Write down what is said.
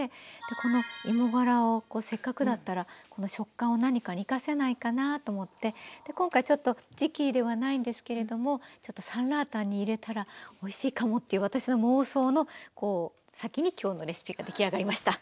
この芋がらをせっかくだったら食感を何かに生かせないかなと思って今回ちょっと時期ではないんですけれどもちょっとサンラータンに入れたらおいしいかもっていう私の妄想の先に今日のレシピが出来上がりました。